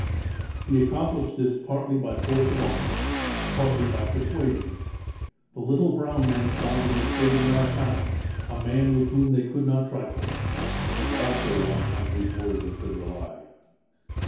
He accomplished this, partly by force of arms, partly by persuasion. The little brown men found in this big Americano a man with whom they could not trifle, and also one on whose word they could rely.